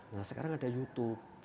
nah sekarang ada youtube